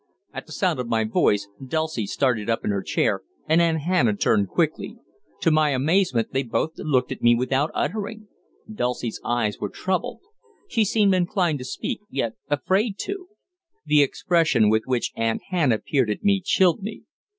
At the sound of my voice Dulcie started up in her chair, and Aunt Hannah turned quickly. To my amazement they both looked at me without uttering. Dulcie's eyes were troubled. She seemed inclined to speak, yet afraid to. The expression with which Aunt Hannah peered at me chilled me.